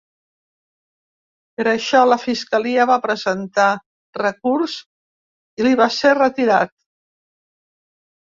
Per això, la fiscalia va presentar recurs i li va ser retirat.